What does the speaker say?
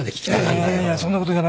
いやいやいやいやそんなこと言わないで。